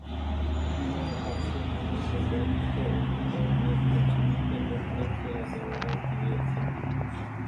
Numai o pasiune puternică, unică, nezdruncinată dă prețul adevărat vieții.